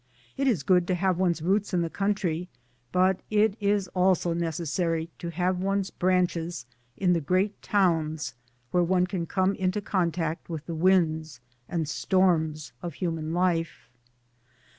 It is good to have one's roots in the country, but it is also necessary to have one's branches in the great towns where one can come into contact with the winds and storms of human life.